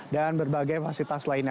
dan berbagai fasilitas lainnya